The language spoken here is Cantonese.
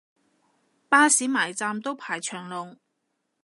巴士埋站都排長龍